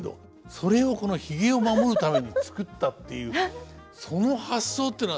それをこのひげを守るために作ったっていうその発想っていうのは。